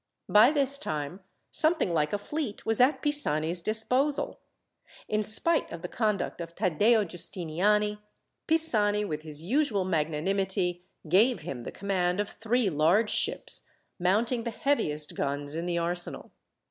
By this time, something like a fleet was at Pisani's disposal. In spite of the conduct of Taddeo Giustiniani, Pisani, with his usual magnanimity, gave him the command of three large ships, mounting the heaviest guns in the arsenal.